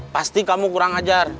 pasti kamu kurang ajar